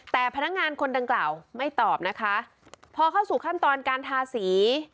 แต่พนักงานคนดังกล่าวไม่ตอบนะคะพอเข้าสู่ขั้นตอนการทาสี